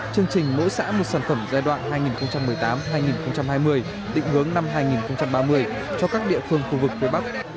chương trình mỗi xã một sản phẩm giai đoạn hai nghìn một mươi tám hai nghìn hai mươi định hướng năm hai nghìn ba mươi cho các địa phương khu vực phía bắc